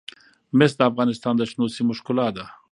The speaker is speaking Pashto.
مس د افغانستان د شنو سیمو ښکلا ده.